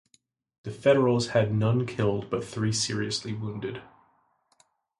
The Federals had none killed but three seriously wounded.